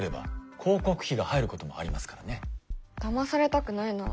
だまされたくないな。